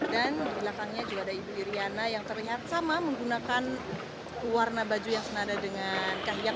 dan di belakangnya juga ada ibu iryana yang terlihat sama menggunakan warna baju yang senada dengan kahiyang